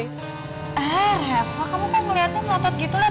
eh reva kamu kan melihatnya melotot gitu lah